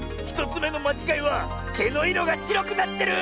１つめのまちがいはけのいろがしろくなってる！